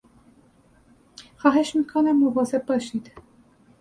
خواهش میکنم مواظب باشید!